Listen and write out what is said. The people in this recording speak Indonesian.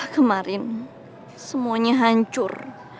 kemarin semuanya hancur